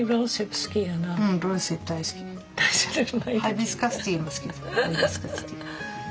ハイビスカスティーも好き。